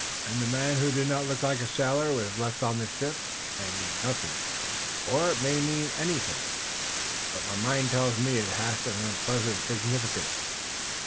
"And the man who did not look like a sailor was left on the ship. It may mean nothing, or it may mean anything, but my mind tells me it hath an unpleasant significance.